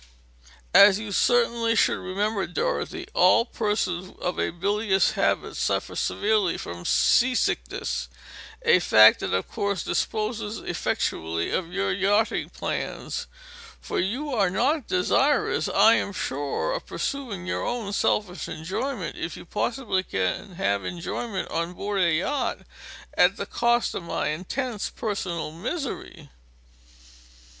"As you certainly should remember, Dorothy, all persons of a bilious habit suffer severely from seasickness; a fact that, of course, disposes effectually of your yachting plans. For you are not desirous, I am sure, of purchasing your own selfish enjoyment if you possibly can have enjoyment on board a yacht at the cost of my intense personal misery.